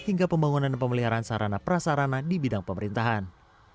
hingga pembangunan dan pemeliharaan sarana prasarana di bidang pemerintahan